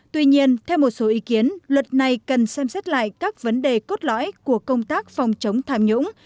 tuy nhiên theo một số ý kiến luật này cần xem xét lại các vấn đề cốt lõi của công tác phòng chống tham nhũng